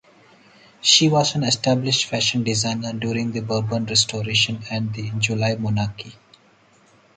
She was an established fashion designer during the Bourbon Restoration and the July Monarchy.